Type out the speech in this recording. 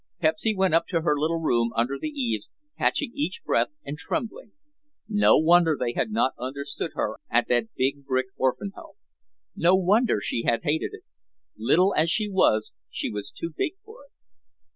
Pepsy went up to her little room under the eaves, catching each breath and trembling. No wonder they had not understood her at that big brick orphan home. No wonder she had hated it. Little as she was, she was too big for it.